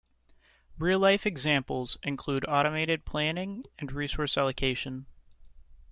"Real life" examples include automated planning and resource allocation.